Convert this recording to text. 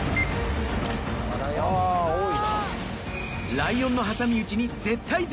ライオンの挟み撃ちに。